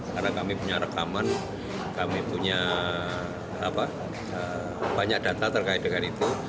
karena kami punya rekaman kami punya banyak data terkait dengan itu